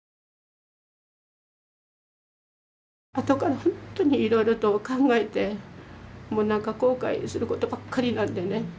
後からほんとにいろいろと考えてもう何か後悔することばっかりなんでね。